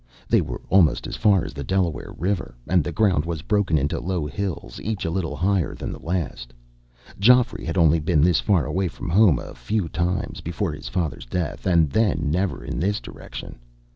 They were almost as far as the Delaware River, and the ground was broken into low hills, each a little higher than the last. Geoffrey had only been this far away from his home a few times, before his father's death, and then never in this direction.